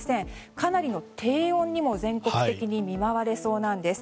かなりの低温にも全国的に見舞われそうなんです。